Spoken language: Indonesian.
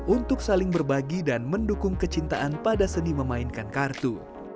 untuk saling berbagi dan mendukung kecintaan pada seni memainkan kartu